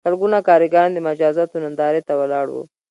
سلګونه کارګران د مجازاتو نندارې ته ولاړ وو